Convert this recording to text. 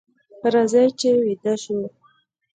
راځئ چې ویده شو.